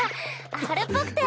春っぽくて。